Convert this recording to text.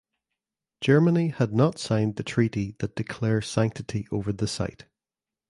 Germany had not signed the treaty that declares sanctity over the site.